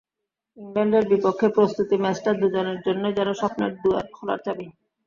ইংল্যান্ডের বিপক্ষে প্রস্তুতি ম্যাচটা দুজনের জন্যই যেন স্বপ্নের দুয়ার খোলার চাবি।